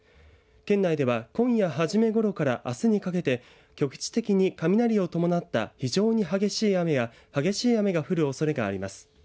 県内では今夜初めごろからあすにかけて局地的に雷を伴った非常に激しい雨や激しい雨が降るおそれがあります。